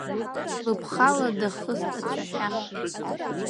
Лыԥхала дахыст ацәаҳәа.